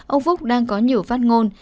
ông phúc đang có nhiều phát ngôn